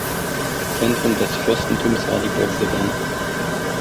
Zentrum des Fürstentums war die Burg Sedan.